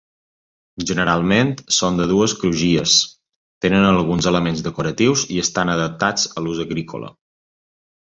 Generalment són de dues crugies, tenen alguns elements decoratius i estan adaptats a l'ús agrícola.